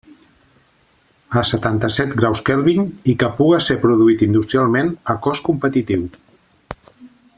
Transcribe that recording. A setanta-set graus Kelvin i que puga ser produït industrialment a cost competitiu.